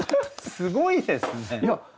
すごいですね。